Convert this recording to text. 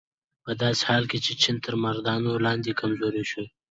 په داسې حال کې چې چین تر مراندو لاندې کمزوری شو.